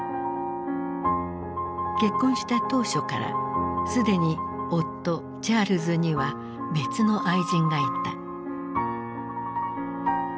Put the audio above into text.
結婚した当初からすでに夫チャールズには別の愛人がいた。